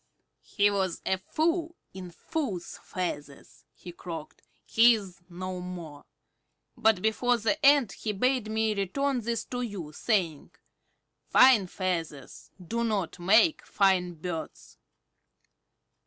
"He was a fool in fools' feathers," he croaked. "He is no more. But before the end he bade me return these to you, saying, 'Fine feathers do not make fine birds.'"